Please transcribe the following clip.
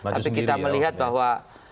tapi kita melihat bahwa